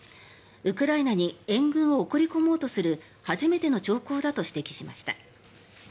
ウクライナに援軍を送り込もうとする初めての兆候だと指摘しました。